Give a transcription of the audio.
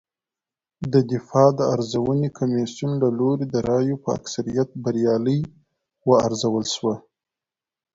د دفاع د ارزونې کمېسیون له لوري د رایو په اکثریت بریالۍ وارزول شوه